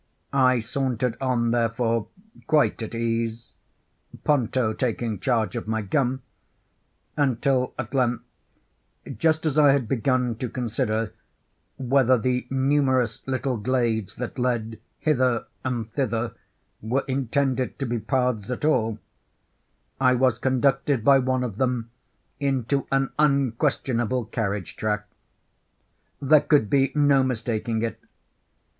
I sauntered on, therefore, quite at ease—Ponto taking charge of my gun—until at length, just as I had begun to consider whether the numerous little glades that led hither and thither, were intended to be paths at all, I was conducted by one of them into an unquestionable carriage track. There could be no mistaking it.